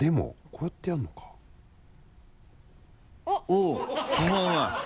おぉうまいうまい。